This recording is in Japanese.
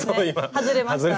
外れました。